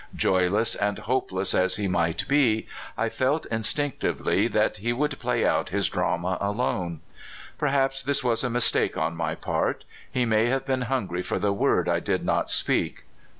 Joyless and hopeless as he might be, I felt instinctively that he would play out his drama alone. Perhaps this was a mistake on my part: he may have been hungry for the word I did not speak.